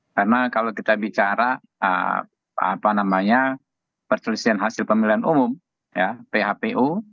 karena kalau kita bicara apa namanya perselisihan hasil pemilihan umum ya phpu